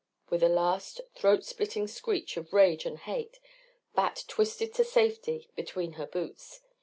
With a last throat splitting screech of rage and hate, Bat twisted to safety between her boots.